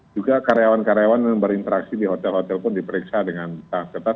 juga karyawan karyawan yang berinteraksi di hotel hotel pun diperiksa dengan ketat